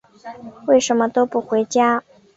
为什么都不回家？